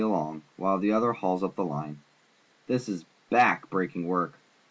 along, while the other hauls up the line. This is back breaking work.